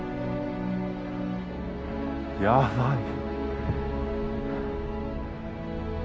やばい。